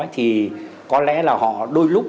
thì có lẽ là họ đôi lúc